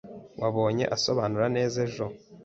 Wabonye asobanura neza ejo